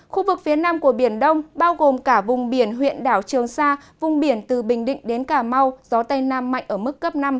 khu vực phía nam của biển đông bao gồm cả vùng biển huyện đảo trường sa vùng biển từ bình định đến cà mau gió tây nam mạnh ở mức cấp năm